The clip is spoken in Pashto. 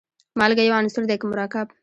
مالګه یو عنصر دی که مرکب.